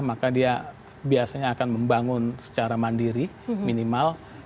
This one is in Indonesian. maka dia biasanya akan membangun secara mandiri minimal